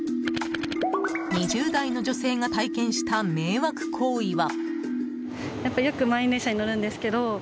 ２０代の女性が体験した迷惑行為は。